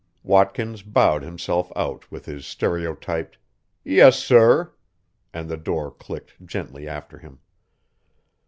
Watkins bowed himself out with his stereotyped, "Yes, sir," and the door clicked gently after him.